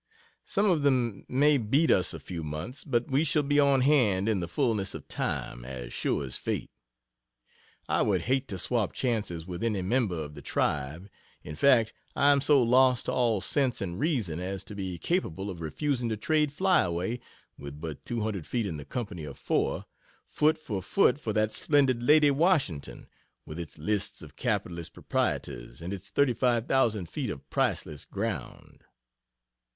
Some of them may beat us a few months, but we shall be on hand in the fullness of time, as sure as fate. I would hate to swap chances with any member of the "tribe" in fact, I am so lost to all sense and reason as to be capable of refusing to trade "Flyaway" (with but 200 feet in the Company of four,) foot for foot for that splendid "Lady Washington," with its lists of capitalist proprietors, and its 35,000 feet of Priceless ground.